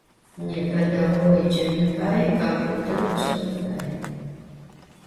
Nêpe değou vuêcenım paê, kompütêrır pş'en faê.